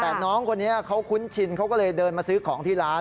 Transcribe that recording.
แต่น้องคนนี้เขาคุ้นชินเขาก็เลยเดินมาซื้อของที่ร้าน